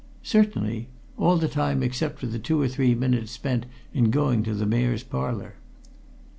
"Certainly! All the time except for the two or three minutes spent in going to the Mayor's Parlour."